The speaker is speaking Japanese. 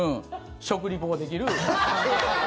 食リポもできる。